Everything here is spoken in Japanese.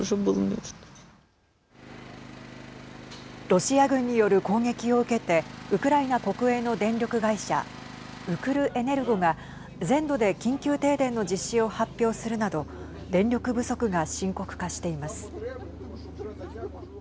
ロシア軍による攻撃を受けてウクライナ国営の電力会社ウクルエネルゴが全土で緊急停電の実施を発表するなど電力不足が深刻化しています。